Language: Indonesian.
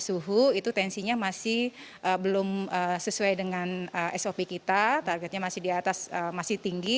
suhu itu tensinya masih belum sesuai dengan sop kita targetnya masih di atas masih tinggi